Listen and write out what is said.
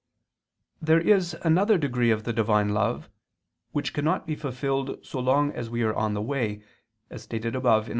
There is another degree of the Divine love, which cannot be fulfilled so long as we are on the way, as stated above (A.